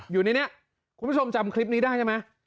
อยู่ในนี้คุณผู้ชมจำคลิปนี้ได้ใช่ไหม